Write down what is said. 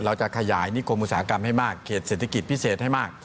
เราจะขยายนิคมอุตสาหกรรมให้มากเขตเศรษฐกิจพิเศษให้มาก